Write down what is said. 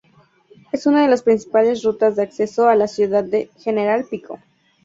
Es una de las principales rutas de acceso a la ciudad de General Pico.